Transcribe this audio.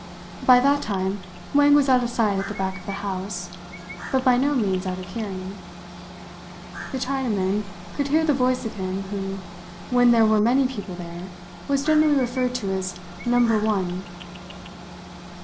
By that time Wang was out of sight at the back of the house, but by no means out of hearing. The Chinaman could hear the voice of him who, when there were many people there, was generally referred to as "Number One."